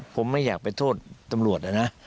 ผมไม่อยากไปโทษตำรวจนะนะ